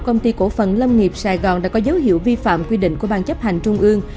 công ty cổ phần lâm nghiệp sài gòn đã có dấu hiệu vi phạm quy định của ban chấp hành trung ương